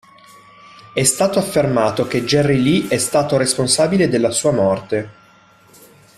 È stato affermato che Jerry Lee è stato responsabile della sua morte.